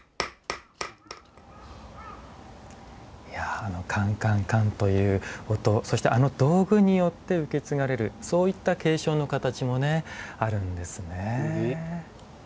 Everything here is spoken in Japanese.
いやあのカンカンカンという音そしてあの道具によって受け継がれるそういった継承の形もねあるんですね。